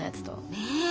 ねえ。